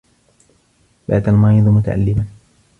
بَاتَ الْمَرِيضُ مُتَأَلِّمًا.